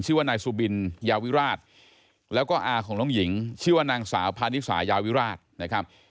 ชื่อว่านายสุบินยาวิราชแล้วก็อาของน้องหญิงชื่อว่านางสาวพานิสายาวิราชนะครับ